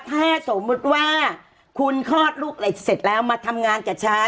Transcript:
ถ้าสมมุติว่าคุณคลอดลูกเหล็กเสร็จแล้วมาทำงานกับฉัน